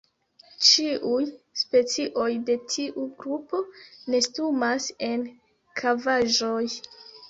Ĉiuj specioj de tiu grupo nestumas en kavaĵoj.